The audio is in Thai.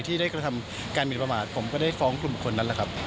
ที่ได้กระทำการหมินประมาทผมก็ได้ฟ้องกลุ่มบุคคลนั้นแหละครับ